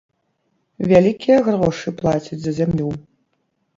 Вялікія грошы плацяць за зямлю.